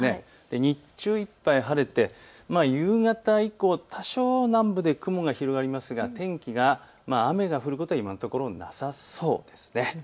日中いっぱい晴れて夕方以降、多少、南部で雲が広がりますが天気、雨が降ることは今のところなさそうです。